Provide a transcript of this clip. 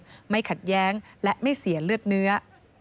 ไม่ขัดแย้งและไม่เสียเลือดเนื้อ